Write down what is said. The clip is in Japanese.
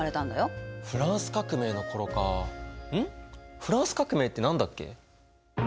フランス革命って何だっけ？